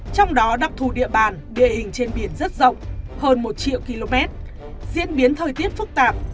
trong đó đặc thù địa bàn địa hình trên biển rất rộng hơn một triệu km diễn biến thời tiết phức tạp